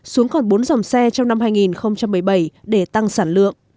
xuống còn bốn dòng xe trong năm hai nghìn một mươi bảy